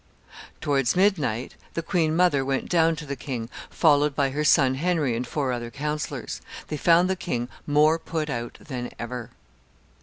Towards midnight, the queen mother went down to the king, followed by her son Henry and four other councillors. They found the king more put out than ever.